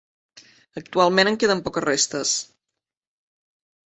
Actualment en queden poques restes.